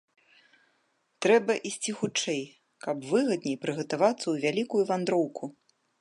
Трэба ісці хутчэй, каб выгадней прыгатавацца ў вялікую вандроўку!